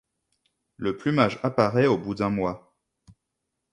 Le plumage apparaît au bout d´un mois.